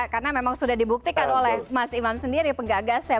karena memang sudah dibuktikan oleh mas imam sendiri penggagasnya